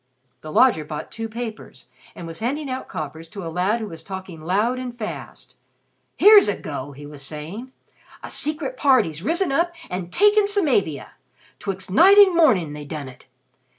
The lodger bought two papers and was handing out coppers to a lad who was talking loud and fast. "Here's a go!" he was saying. "A Secret Party's risen up and taken Samavia! 'Twixt night and mornin' they done it!